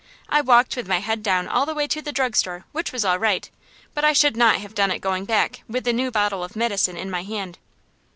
I walked with my head down all the way to the drug store, which was all right; but I should not have done it going back, with the new bottle of medicine in my hand.